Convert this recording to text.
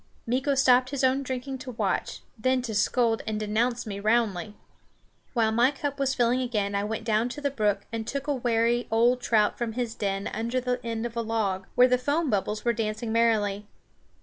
Meeko stopped his own drinking to watch, then to scold and denounce me roundly. While my cup was filling again I went down to the brook and took a wary old trout from his den under the end of a log, where the foam bubbles were dancing merrily.